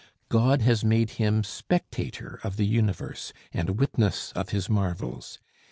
God has made him spectator of the universe and witness of his marvels.